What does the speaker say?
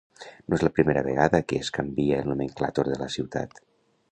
No és la primera vegada que es canvia el nomenclàtor de la ciutat.